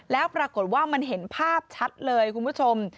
แล้วปรากฏว่ามันเห็นภาพชัดเลยคุณผู้ชม